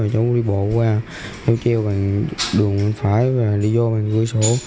cháu đi bộ qua cháu treo bằng đường phải và đi vô bằng gửi sổ